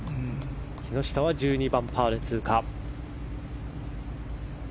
木下は１２番、パーで通過。